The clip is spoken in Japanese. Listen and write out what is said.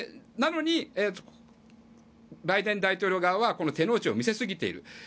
なのに、バイデン大統領側は手の内を見せすぎている。